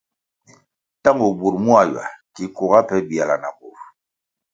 Tangu bur muá ywa ki kuga pe biala na bur.